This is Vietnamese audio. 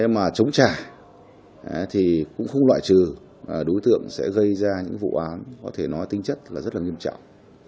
mà trốn chạy thì cũng không loại trừ đối tượng sẽ gây ra những vụ án có thể nói tinh chất rất là nghiêm trọng